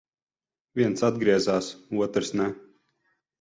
Viens atgriezās, otrs ne.